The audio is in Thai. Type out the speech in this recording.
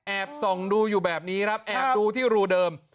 ส่องดูอยู่แบบนี้ครับแอบดูที่รูเดิม